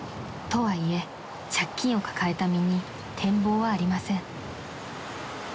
［とはいえ借金を抱えた身に展望はありません］